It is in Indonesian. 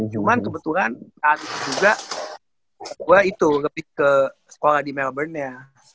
cuman kebetulan saat itu juga gue itu lebih ke sekolah di melbourne ya